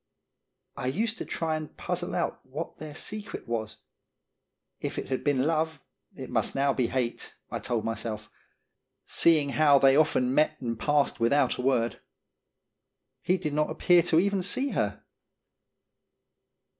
I used to try and puzzle out what their secret was. If it had been love, it must now be hate, I told myself, seeing how they often met and passed without a word. He did not appear to even see her.